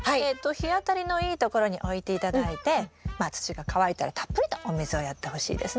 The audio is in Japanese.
日当たりのいいところに置いて頂いて土が乾いたらたっぷりとお水をやってほしいですね。